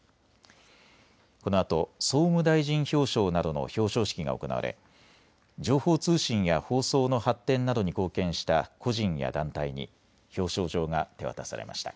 このあと総務大臣表彰などの表彰式が行われ情報通信や放送の発展などに貢献した個人や団体に表彰状が手渡されました。